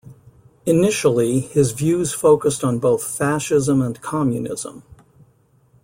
Initially, his views focused on both fascism and communism.